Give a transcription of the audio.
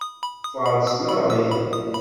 Ffeɣ-d seg tneɣrit.